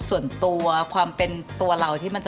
ส่วนตัวความเป็นตัวเราที่มันจะ